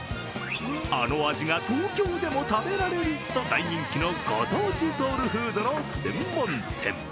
あの味が東京でも食べられると大人気のご当地ソウルフードの専門店。